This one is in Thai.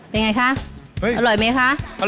เป็นไงคะอร่อยไหมคะ